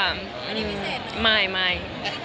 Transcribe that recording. อืมไม่ไม่